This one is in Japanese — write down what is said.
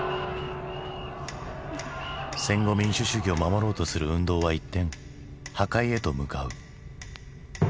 戦後民主主義を守ろうとする運動は一転破壊へと向かう。